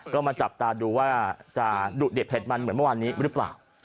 ก็มาจับตาดูว่าจะดุเด็ดเผ็ดมันเหมือนเมื่อวานนี้หรือเปล่า